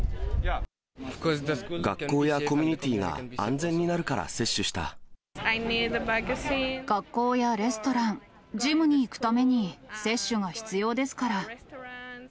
学校やコミュニティーが安全学校やレストラン、ジムに行くために接種が必要ですから。